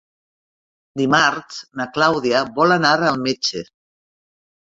Dimarts na Clàudia vol anar al metge.